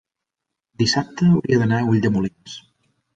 dissabte hauria d'anar a Ulldemolins.